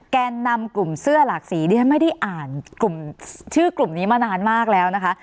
แกนนำกลุ่มเสื้อหลากสีดิฉันไม่ได้อ่านกลุ่มชื่อกลุ่มนี้มานานมากแล้วนะคะ